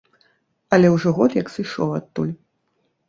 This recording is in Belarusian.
Але ўжо год як сышоў адтуль.